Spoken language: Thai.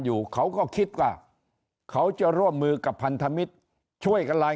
อยู่เขาก็คิดว่าเขาจะร่วมมือกับพันธมิตรช่วยกันลาย